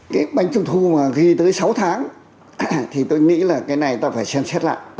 cái bánh trung thu mà ghi tới sáu tháng thì tôi nghĩ là cái này ta phải xem xét lại